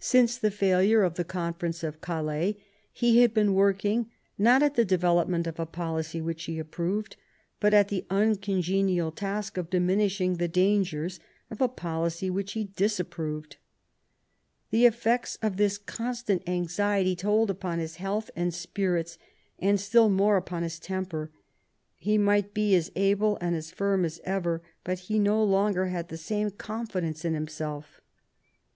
Since the failure of the Conference of Calais he had been working not at the development of a policy which he approved, but at the uncongenial task of diminishing the dangers of a policy which he disap proved. The effects of this constant anxiety told upon his health and spirits, and still more upon his temper. He might be as able and as firm as ever, but he no longer had the same confidence in himself.